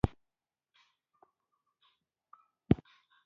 اوبزین معدنونه د افغانستان د سیاسي جغرافیه برخه ده.